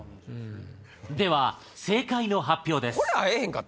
では正解の発表です。